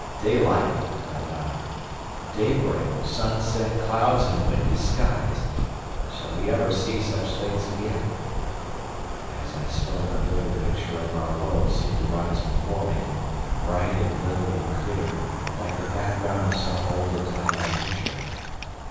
"Daylight!" cried I. "Daybreak, sunset, clouds, and windy skies! Shall we ever see such things again?" As I spoke, a little picture of our world seemed to rise before me, bright and little and clear, like the background of some old Italian picture.